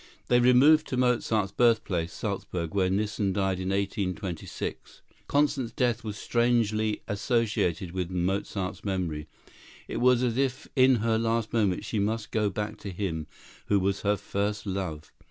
They removed to Mozart's birthplace, Salzburg, where Nissen died in 1826. Constance's death was strangely associated with Mozart's memory. It was as if in her last moments she must go back to him who was her first love.